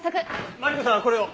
マリコさんはこれを。